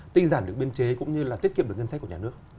tinh giản được biên chế cũng như là tiết kiệm được ngân sách của nhà nước